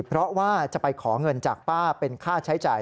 เพราะว่าจะไปขอเงินจากป้าเป็นค่าใช้จ่าย